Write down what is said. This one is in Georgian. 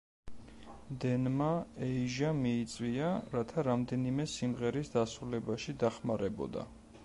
დენმა ეიჟა მიიწვია, რათა რამდენიმე სიმღერის დასრულებაში დახმარებოდა.